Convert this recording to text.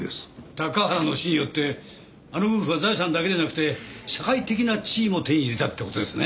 高原の死によってあの夫婦は財産だけでなくて社会的な地位も手に入れたって事ですね。